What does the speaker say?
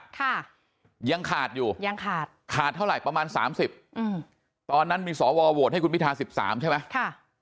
๓๔๖แล้วยังขาดอยู่ขาดเท่าไหร่ประมาณ๓๐ตอนนั้นมีสอวอววดให้คุณพิธา๑๓ใช่ไหม